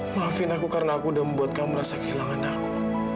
maafin aku karena aku udah membuat kamu merasa kehilangan aku